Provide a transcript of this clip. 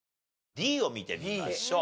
Ｄを見てみましょう。